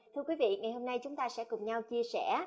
thưa quý vị ngày hôm nay chúng ta sẽ cùng nhau chia sẻ